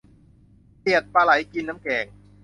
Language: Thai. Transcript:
เกลียดปลาไหลกินน้ำแกง